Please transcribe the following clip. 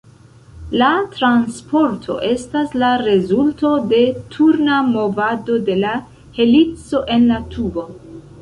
La transporto estas la rezulto de turna movado de la helico en la tubo.